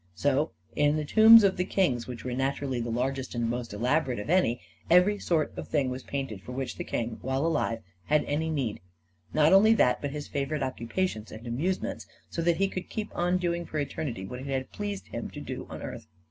So, in the tombs of the kings, which were naturally the largest and most elaborate of any, every sort of thing was painted for which the king, while alive, had any need — not only that, but his favorite occupations and amusements, so that he could keep on doing for eternity what it had pleased him to do on earth.